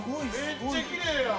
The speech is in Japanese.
めっちゃきれいやん！